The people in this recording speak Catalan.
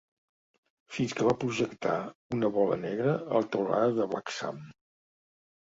Fins que va projectar una bola negra a la teulada de Black Sam.